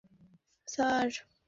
জানি না, স্যার।